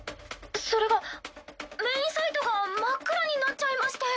それがメインサイトが真っ暗になっちゃいまして。